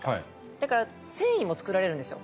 だから繊維も作られるんですよ。